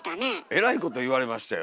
えらいこと言われましたよ。